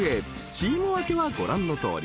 ［チーム分けはご覧のとおり］